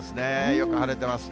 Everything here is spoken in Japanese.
よく晴れてます。